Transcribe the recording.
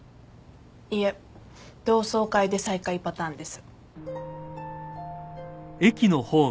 いいえ同窓会で再会パターンです。